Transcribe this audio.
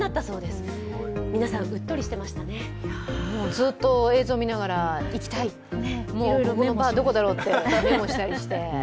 ずっと映像見ながら行きたい、どこだろうってメモしたりして。